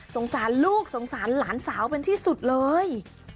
สงสารลูกสงสารหลานสาวเป็นที่สุดเลย